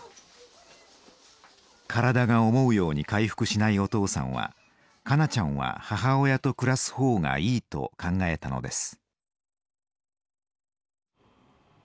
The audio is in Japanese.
体が思うように回復しないお父さんは香菜ちゃんは母親と暮らす方がいいと考えたのです。